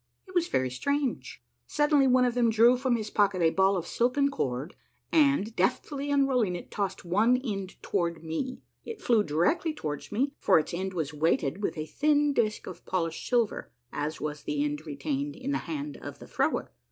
It was very strange. Suddenly one of them drew from his pocket a ball of silken cord, and, deftly unrolling it, tossed one end toward me. It flew directly towards me, for its end was weighed with a thin disk of polished silver, as was the end retained in the hand of the thrower.